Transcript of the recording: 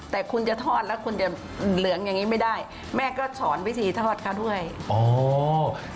แต่คุณจะทอดแล้วคุณจะเหลืองอย่างงี้ไม่ได้แม่ก็สอนวิธีทอดเขาด้วยอ๋อ